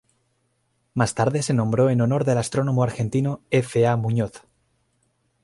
Más tarde se nombró en honor del astrónomo argentino F. A. Muñoz.